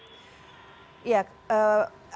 apakah sejauh ini sudah diketahui